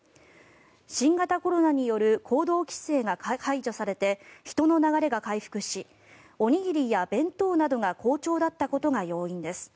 新型コロナによる行動規制が解除されて人の流れが回復しおにぎりや弁当などが好調だったことが要因です。